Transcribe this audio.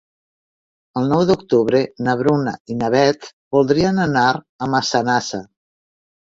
El nou d'octubre na Bruna i na Beth voldrien anar a Massanassa.